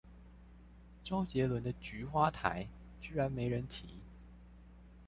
周杰倫的菊花台居然沒人提？